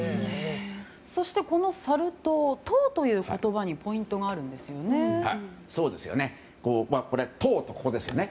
そして、このサル痘「痘」という言葉にポイントがあるんですよね。